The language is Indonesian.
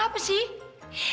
aku pengen kasih sesuatu